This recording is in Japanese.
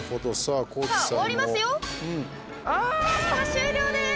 終了です。